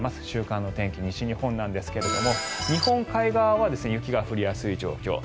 週間の天気、西日本なんですが日本海側は雪が降りやすい状況。